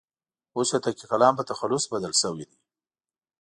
اوس یې تکیه کلام په تخلص بدل شوی دی.